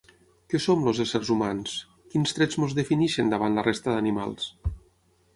Què som els éssers humans? Quins trets ens defineixen davant la resta d'animals?